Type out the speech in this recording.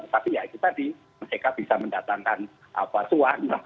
tapi ya kita di maseka bisa mendatangkan cuan